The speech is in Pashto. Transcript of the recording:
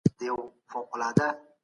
که زده کوونکی دوام وکړي، مهارت نه کمېږي.